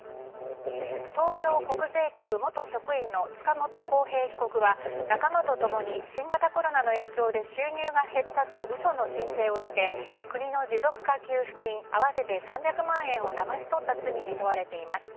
東京国税局元職員の塚本晃平被告は仲間と共に新型コロナの影響で収入が減ったと嘘の申請をして国の持続化給付金合わせて３００万円をだまし取った罪に問われています。